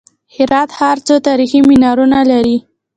هرات ښار څو تاریخي منارونه لري؟